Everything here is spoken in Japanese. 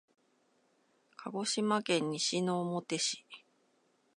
鹿児島県西之表市